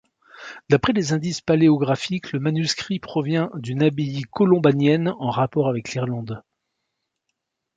D'après les indices paléographiques, le manuscrit provient d'une abbaye colombanienne en rapport avec l'Irlande.